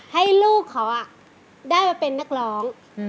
ให้ลูกเขาได้มาเป็นนักร้อง